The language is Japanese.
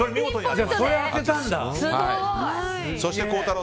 それを当てたんだ。